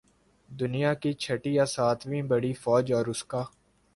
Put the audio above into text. دنیا کی چھٹی یا ساتویں بڑی فوج اور اس کا